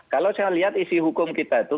kalau saya lihat isi hukum kita itu